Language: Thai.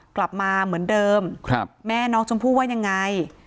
กลับมาเหมือนเดิมแม่น้องชมพู่ว่ายังไง